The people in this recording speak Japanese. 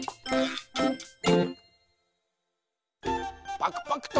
パクパクと。